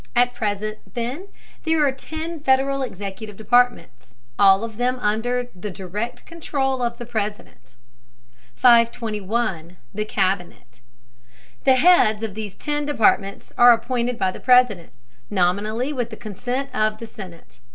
At present, then, there are ten Federal executive departments, all of them under the direct control of the President. 521. THE CABINET. The heads of these ten departments are appointed by the President, nominally with the consent of the Senate.